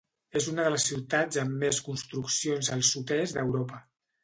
És una de les ciutats amb més construccions al sud-est d'Europa.